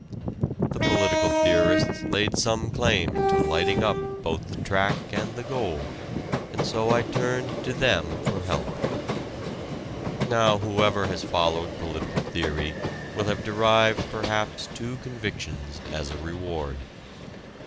The political theorists laid some claim to lighting up both the track and the goal, and so I turned to them for help. Now whoever has followed political theory will have derived perhaps two convictions as a reward.